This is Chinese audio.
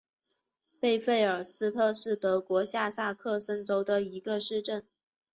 贝费尔斯特是德国下萨克森州的一个市镇。